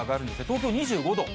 東京２５度。